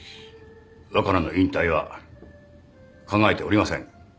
若菜の引退は考えておりません。